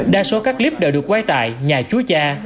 đa số các clip đều được quay tại nhà chúa cha